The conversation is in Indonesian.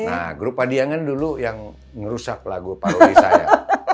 nah grup padiangan dulu yang ngerusak lagu paruri saya